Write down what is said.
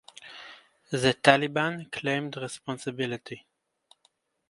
The Taliban claimed responsibility.